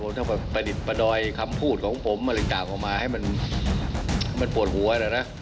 ถ้าประดิษฐ์ประดอยคำพูดของผมอะไรต่างออกมาให้มันปวดหัวแล้วนะ